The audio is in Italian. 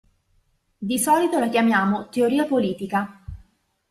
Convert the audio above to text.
Di solito la chiamiamo "teoria politica".